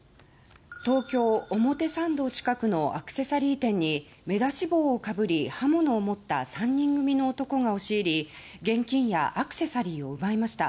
東京・表参道近くのアクセサリー店に目出し帽をかぶり、刃物を持った３人組の男が押し入り現金やアクセサリーを奪いました。